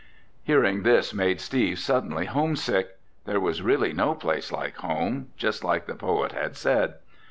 Hearing this made Steve suddenly homesick. There was really no place like home, just like the poet had said.